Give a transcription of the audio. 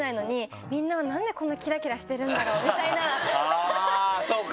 あぁそうか！